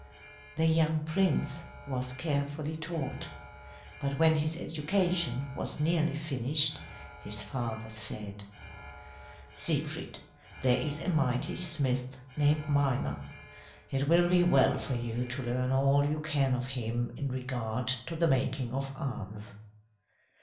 The young prince was carefully taught. But when his education was nearly finished, his father said: "Siegfried, there is a mighty smith named Mimer. It will be well for you to learn all you can of him in regard to the making of arms."